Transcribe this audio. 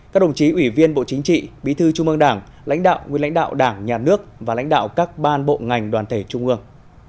các đồng chí ủy viên bộ chính trị bí thư trung ương đảng lãnh đạo nguyên lãnh đạo đảng nhà nước và lãnh đạo các ban bộ ngành đoàn thể trung ương